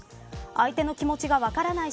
相手の気持ちが分からない